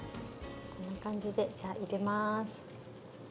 こんな感じでじゃあ入れます。